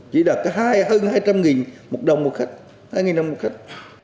chỉ đạt hơn hai trăm linh một đồng một khách hai năm trăm linh một khách